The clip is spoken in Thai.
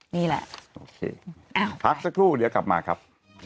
นี่แหละโอเคพักสักครู่เดี๋ยวกลับมาครับ